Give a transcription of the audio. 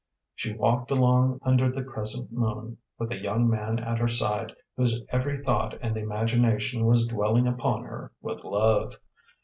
She walked along under the crescent moon, with the young man at her side whose every thought and imagination was dwelling upon her with love.